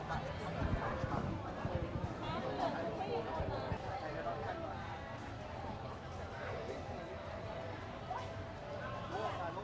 แล้วเกิดหนังคนนึงว่าเป็นปีทอง